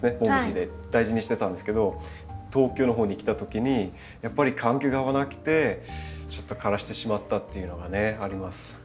おうちで大事にしてたんですけど東京の方に来た時にやっぱり環境が合わなくてちょっと枯らしてしまったっていうのがねあります。